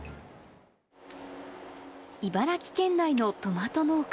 茨城県内のトマト農家。